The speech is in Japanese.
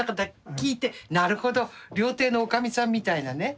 聞いてなるほど料亭の女将さんみたいなね